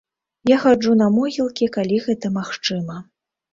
Я хаджу на могілкі, калі гэта магчыма.